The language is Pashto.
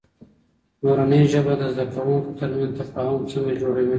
مورنۍ ژبه د زده کوونکو ترمنځ تفاهم څنګه جوړوي؟